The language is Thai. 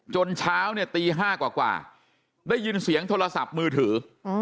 เช้าเนี่ยตี๕กว่าได้ยินเสียงโทรศัพท์มือถือ